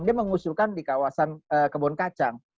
dia mengusulkan di kawasan kebon kacang